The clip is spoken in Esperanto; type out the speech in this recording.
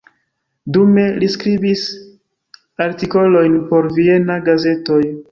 Dume li skribis artikolojn por viena gazetoj.